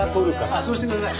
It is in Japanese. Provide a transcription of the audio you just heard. あっそうしてください。